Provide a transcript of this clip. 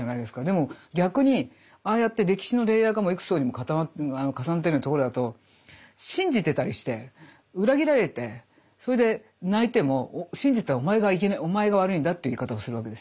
でも逆にああやって歴史のレイヤーが幾層にも重なってるようなところだと信じてたりして裏切られてそれで泣いても信じたおまえが悪いんだっていう言い方をするわけですよ。